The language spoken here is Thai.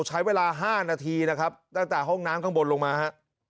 ใช้เวลา๕นาทีนะครับตั้งแต่ห้องน้ำข้างบนลงมาฮะ